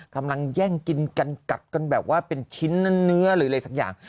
กำลังแย่งกินกันกัดกันแบบว่าเป็นชิ้นเนื้อหรืออะไรสักอย่าง